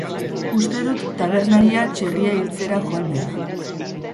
Uste dut tabernaria txerria hiltzera joan dela.